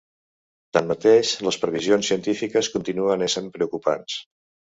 Tanmateix, les previsions científiques continuen essent preocupants.